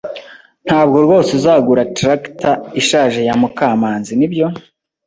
Ntabwo rwose uzagura traktor ishaje ya Mukamanzi, nibyo?